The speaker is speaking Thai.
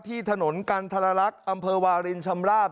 ที่ถนนกันทรลักษณ์อำเภอวาลินชำราบ